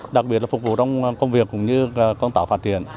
đặc biệt là phục vụ trong công việc cũng như con tạo phát triển